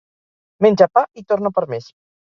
Menja pa i torna per més.